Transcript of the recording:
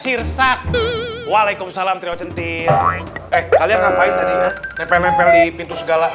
sirsak waalaikumsalam triwacentil eh kalian ngapain tadi mepel nepel di pintu segala